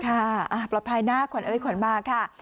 ปลอดภัยนะขวัญเอ้ยขวัญมาค่ะ